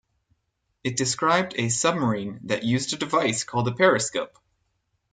It described a submarine that used a device called a periscope.